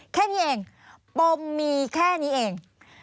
แค่นี้เองปมมีแค่นี้เอง